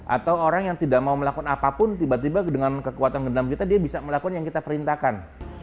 atau orang yang tidak mau melakukan apapun tiba tiba dengan kekuatan gendam kita dia bisa melakukan yang kita perintahkan